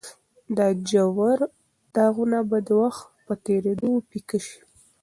دا ژور داغونه به د وخت په تېرېدو پیکه شي.